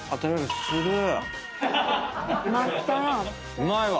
うまいわ！